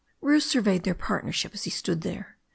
Bruce surveyed their partnership as he stood there.